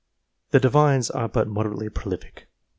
The Divines are but moderately prolific.